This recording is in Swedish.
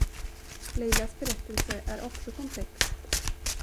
Leilas berättelse är också komplex.